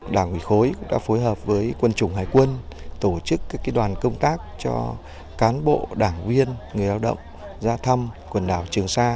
đảng quỳ khối đã phối hợp với quân chủng hải quân tổ chức các đoàn công tác cho cán bộ đảng viên người lao động ra thăm quần đảo trường sa